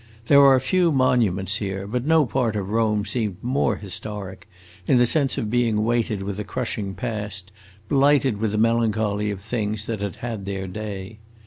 There are few monuments here, but no part of Rome seemed more historic, in the sense of being weighted with a crushing past, blighted with the melancholy of things that had had their day.